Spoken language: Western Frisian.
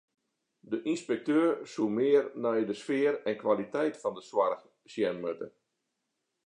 De ynspekteur soe mear nei de sfear en kwaliteit fan de soarch sjen moatte.